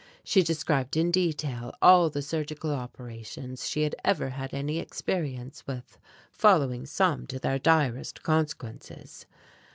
She described in detail all the surgical operations she had ever had any experience with, following some to their direst consequences.